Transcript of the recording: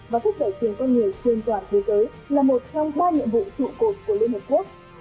và thúc đẩy quyền con người trên toàn thế giới là một trong ba nhiệm vụ trụ cột của liên hợp quốc